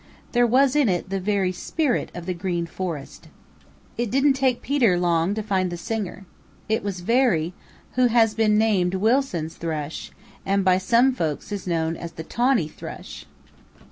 There was in it the very spirit of the Green Forest. It didn't take Peter long to find the singer. It was Veery, who has been named Wilson's Thrush; and by some folks is known as the Tawny Thrush.